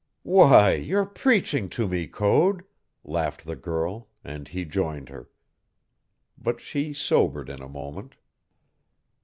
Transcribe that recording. "Why, you're preaching to me, Code," laughed the girl, and he joined her. But she sobered in a moment.